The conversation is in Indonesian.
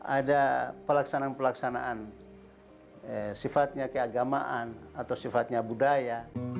ada pelaksanaan pelaksanaan sifatnya keagamaan atau sifatnya budaya